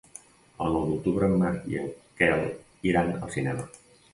El nou d'octubre en Marc i en Quel iran al cinema.